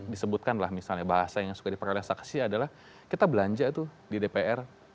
disebutkanlah misalnya bahasa yang suka dipakai oleh saksi adalah kita belanja tuh di dpr